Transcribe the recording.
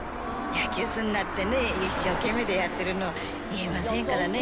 野球すんなってね、一生懸命やってるのを言えませんからね。